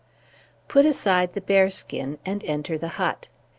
Put aside the bear skin, and enter the hut.